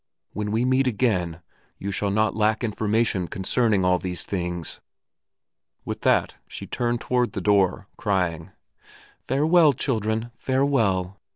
When we meet again you shall not lack information concerning all these things." With that she turned toward the door, crying, "Farewell, children, farewell!"